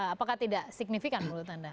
apakah tidak signifikan menurut anda